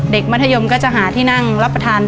มัธยมก็จะหาที่นั่งรับประทาน